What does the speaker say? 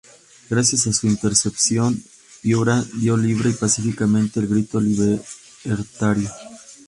Gracias a su intercesión, Piura dio libre y pacíficamente el grito libertario.